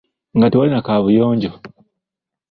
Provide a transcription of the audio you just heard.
Nga tewali na kaabuyonjo.